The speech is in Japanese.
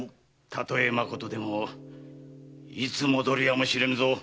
たとえ真でもいつ戻るやもしれぬぞ。